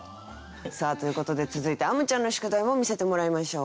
ということで続いてあむちゃんの宿題も見せてもらいましょう。